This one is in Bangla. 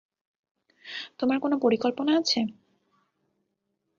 তোমার কোনো পরিকল্পনা আছে?